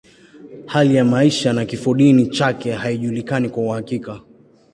Hali ya maisha na kifodini chake haijulikani kwa uhakika.